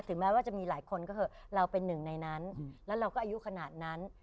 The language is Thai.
แม้ว่าจะมีหลายคนก็คือเราเป็นหนึ่งในนั้นแล้วเราก็อายุขนาดนั้น